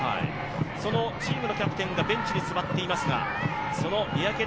そのチームのキャプテンがベンチに座っていますがその三宅怜